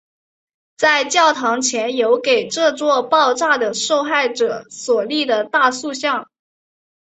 在教堂前有给这场爆炸的受害者所立的大塑像。